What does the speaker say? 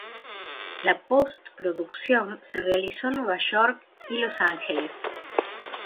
La post-producción se realizó en Nueva York y Los Ángeles.